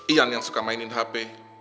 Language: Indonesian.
ian yang suka mainin hp